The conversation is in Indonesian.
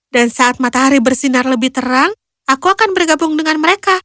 dan saat matahari bersinar lebih terang aku akan bergabung dengan mereka